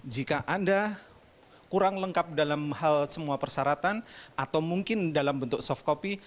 jika anda kurang lengkap dalam hal semua persyaratan atau mungkin dalam bentuk soft copy